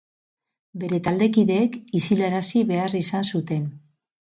Bere taldekideek isilarazi behar izan zuten.